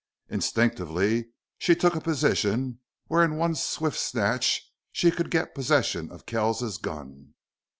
Instinctively she took a position where in one swift snatch she could get possession of Kells's gun.